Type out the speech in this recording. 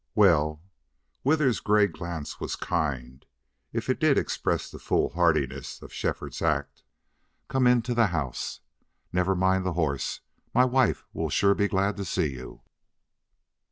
"Well." Withers's gray glance was kind, if it did express the foolhardiness of Shefford's act. "Come into the house.... Never mind the horse. My wife will sure be glad to see you."